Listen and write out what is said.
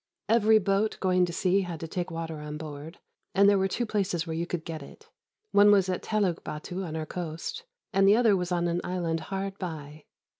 Every boat going to sea had to take water on board, and there were two places where you could get it; one was at Teluk Bâtu on our coast, and the other was on an island hard by.